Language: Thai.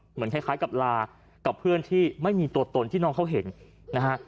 เหมือนคล้ายกับลากับเพื่อนที่ไม่มีตัวตนที่น้องเขาเห็นนะฮะ